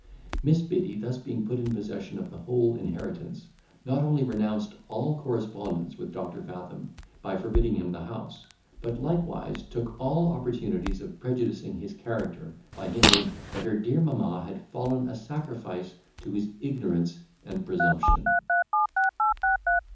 Miss Biddy being thus put in possession of the whole inheritance, not only renounced all correspondence with Doctor Fathom, by forbidding him the house, but likewise took all opportunities of prejudicing his character, by hinting, that her dear mamma had fallen a sacrifice to his ignorance and presumption.